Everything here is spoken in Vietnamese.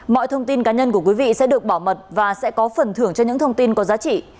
mọi thông tin cá nhân của quý vị sẽ được bảo mật và sẽ có phần thưởng cho những thông tin có giá trị